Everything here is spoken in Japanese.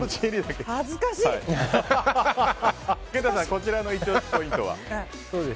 こちらのイチ押しポイントは？